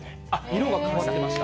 色が変わってました。